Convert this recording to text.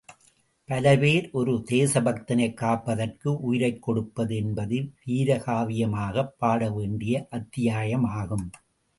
பல பேர் ஒரு தேசபக்தனைக் காப்பதற்கு உயிரைக் கொடுப்பது என்பது வீரகாவியமாகப் பாடவேண்டிய அத்தியாயமாகும்.